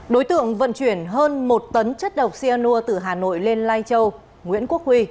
đối tượng vận chuyển hơn một tấn chất độc cyanur từ hà nội lên lai châu nguyễn quốc huy